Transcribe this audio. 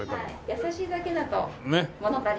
優しいだけだと物足りない。